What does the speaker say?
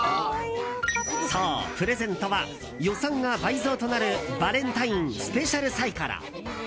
そう、プレゼントは予算が倍増となるバレンタインＳＰサイコロ！